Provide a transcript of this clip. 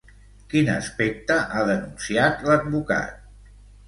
Quin aspecte ha denunciat l'advocat?